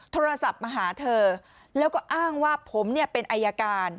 โทรศัพท์มาหาเธอแล้วก็อ้างว่าผมเนี่ยเป็นอายการ